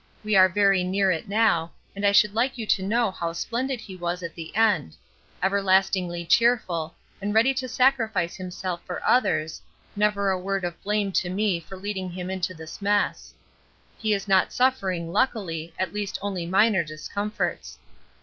We are very near it now and I should like you to know how splendid he was at the end everlastingly cheerful and ready to sacrifice himself for others, never a word of blame to me for leading him into this mess. He is not suffering, luckily, at least only minor discomforts.